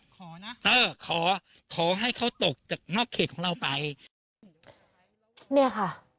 ขอนะเออขอขอให้เขาตกจากนอกเขตของเราไปเนี่ยค่ะ